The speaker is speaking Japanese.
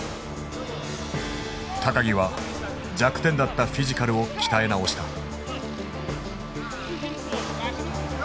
木は弱点だったフィジカルを鍛え直した。